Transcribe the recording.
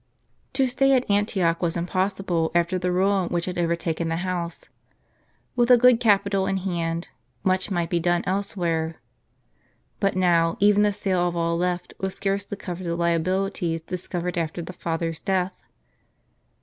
To stay at Antioch was impossible after the ruin which had overtaken the house. With a good capital in hand, much might be done elsewhere. But now, even the sale of all left would scarcely cover the liabilities discovered after the father's death.